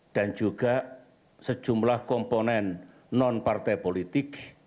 dan juga sejumlah komponen non partai politik